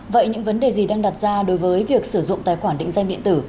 vậy những vấn đề gì đang đặt ra đối với việc sử dụng tài khoản định danh điện tử